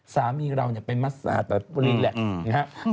สามีเรานี่ไปซาตรรีเล็กท์